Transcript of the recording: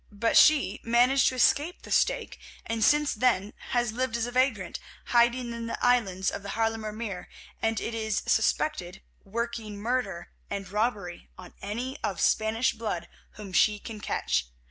But she managed to escape the stake, and since then has lived as a vagrant, hiding in the islands of the Haarlemer Meer, and, it is suspected, working murder and robbery on any of Spanish blood whom she can catch.